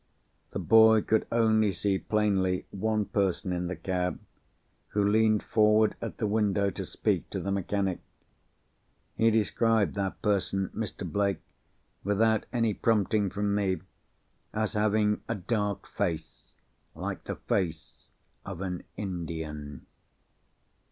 The boy could only see plainly one person in the cab, who leaned forward at the window to speak to the mechanic. He described that person, Mr. Blake, without any prompting from me, as having a dark face, like the face of an Indian."